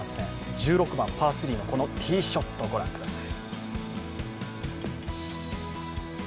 １６番・パー３のこのティーショット、御覧ください。